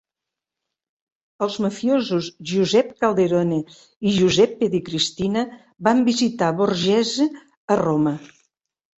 Els mafiosos Giuseppe Calderone i Giuseppe Di Cristina van visitar Borghese a Roma.